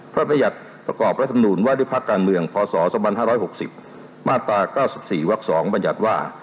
พศววพศ๕๖๔ว๒บว